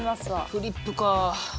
フリップか。